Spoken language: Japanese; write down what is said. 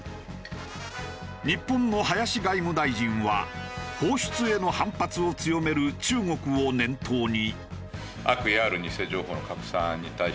日本の林外務大臣は放出への反発を強める中国を念頭に。